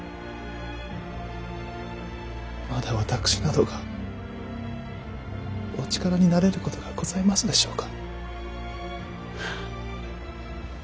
まだ私などがお力になれることがございますでしょうか。